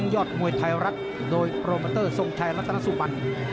ยอดมวยไทยรัฐโดยโปรเมอร์เตอร์ทรงไทยรัฐนักสู่บรรยา